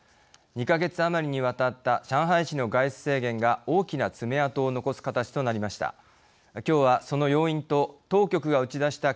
２か月余りにわたった上海市の外出制限が大きな爪痕を残す形となりました。